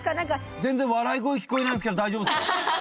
全然笑い声聞こえないんですけど大丈夫ですか？